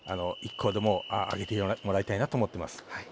１個でも上げてもらいたいなと思っています。